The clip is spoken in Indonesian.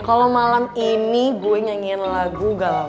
kalo malam ini gue nyanyiin lagu galau